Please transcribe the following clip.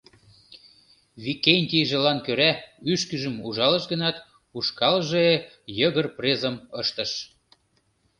Викентийжылан кӧра ӱшкыжым ужалыш гынат, ушкалже йыгыр презым ыштыш.